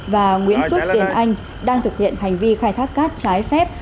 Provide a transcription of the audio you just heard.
và nguyễn phúc tiền anh đang thực hiện hành vi khai thác cát trái phép